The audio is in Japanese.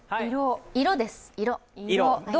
色です。